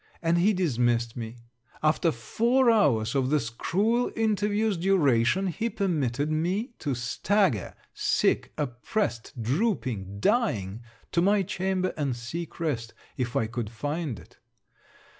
And he dismissed me. After four hours of this cruel interviews' duration, he permitted me to stagger, sick, oppressed, drooping, dying, to my chamber, and seek rest, if I could find it.